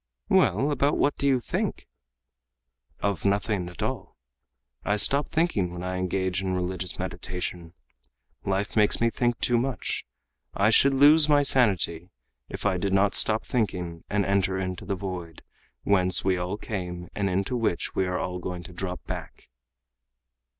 "Well, about what do you think?" "Of nothing at all. I stop thinking when I engage in religious meditation. Life makes me think too much. I should lose my sanity, if I did not stop thinking and enter into the 'void', whence we all came and into which we all are going to drop back."